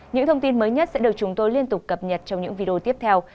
những thông tin mới nhất sẽ được chúng tôi liên tục cập nhật trong những video tiếp theo